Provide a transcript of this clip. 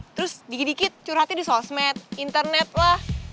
terus dikit dikit curhatnya di sosmed internet lah